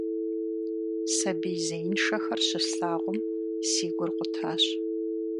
Сабий зеиншэхэр щыслъагъум, си гур къутащ.